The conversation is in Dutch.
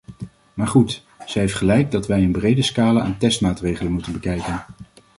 Maar goed, zij heeft gelijk dat wij een breder scala aan testmaatregelen moeten bekijken.